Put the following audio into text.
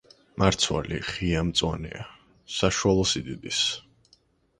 მარცვალი ღია მწვანეა, საშუალო სიდიდის.